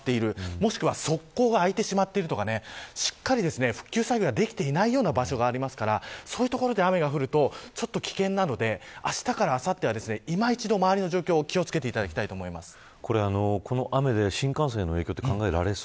もしくは側溝が開いてしまっているとかしっかり復旧作業ができていないような場所がありますからそういった所で雨が降ると危険なのであしたからあさっては、今一度周りの状況に雨で新幹線の影響